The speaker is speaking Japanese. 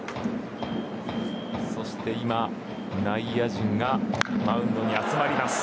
そして今内野陣がマウンドに集まります。